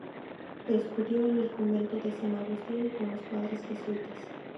Estudió en el Convento de San Agustín y con los padres jesuitas.